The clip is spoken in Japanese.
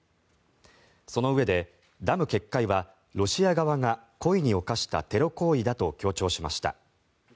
そのうえでダム決壊はロシア側が故意に犯したテロ行為だと強調しました。